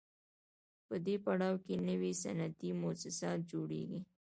په دې پړاو کې نوي صنعتي موسسات جوړېږي